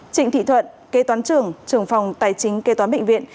trịnh thị thuận kê toán trưởng trưởng phòng tài chính kê toán bệnh viện